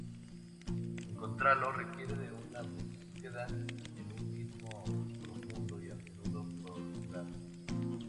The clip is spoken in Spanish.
Encontrarlo requiere de una búsqueda en uno mismo, profunda y a menudo prolongada.